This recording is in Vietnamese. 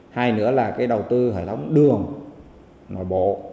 hai nữa là cái đầu tư hệ thống đường nội bộ